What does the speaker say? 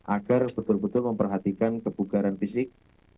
agar betul betul memperhatikan kebugaran fisik